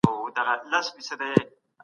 ستونکو سره شریک سي. «د ملي ستم